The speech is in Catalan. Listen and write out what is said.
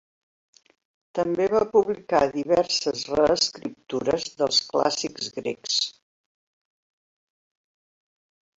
També va publicar diverses reescriptures dels clàssics grecs.